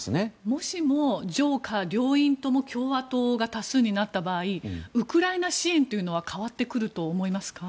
もしも上下両院とも共和党が多数になった場合ウクライナ支援というのは変わってくると思いますか？